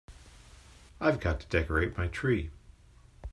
I've got to decorate my tree.